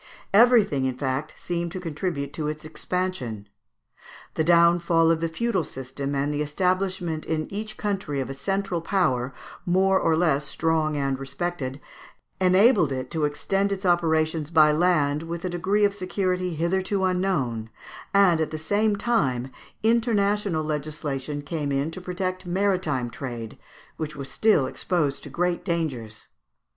Everything, in fact, seemed to contribute to its expansion. The downfall of the feudal system and the establishment in each country of a central power, more or less strong and respected, enabled it to extend its operations by land with a degree of security hitherto unknown; and, at the same time, international legislation came in to protect maritime trade, which was still exposed to great dangers.